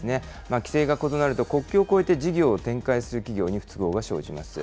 規制が異なると、国境を越えて事業を展開する企業に不都合が生じます。